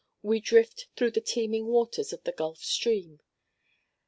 We drift through the teeming waters of the Gulf Stream.